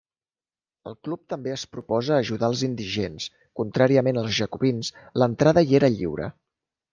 El club també es proposa ajudar els indigents: contràriament als Jacobins, l'entrada hi era lliure.